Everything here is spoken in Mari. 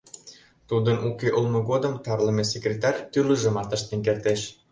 Тудын уке улмо годым тарлыме секретарь тӱрлыжымат ыштен кертеш.